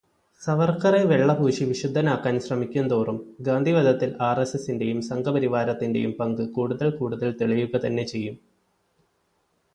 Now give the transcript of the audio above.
സവർക്കറെ വെള്ളപൂശി വിശുദ്ധനാക്കാൻ ശ്രമിക്കുന്തോറും ഗാന്ധിവധത്തിൽ ആർഎസ്എസിന്റെയും സംഘപരിവാരത്തിന്റെയും പങ്ക് കൂടുതൽ കൂടുതൽ തെളിയുക തന്നെ ചെയ്യും.